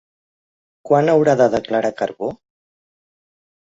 Quan haurà de declarar Carbó?